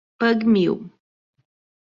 Pugmil